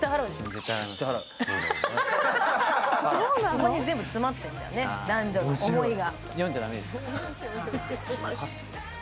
ここに全部詰まってるんだよね、男女の思いが。